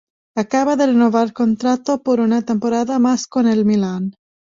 Acaba de renovar contrato por una temporada más con el Milan.